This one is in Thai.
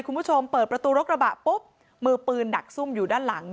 คุณผู้ชมเปิดประตูรถกระบะปุ๊บมือปืนดักซุ่มอยู่ด้านหลัง